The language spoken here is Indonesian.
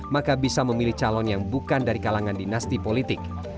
maka bisa memilih calon yang bukan dari kalangan dinasti politik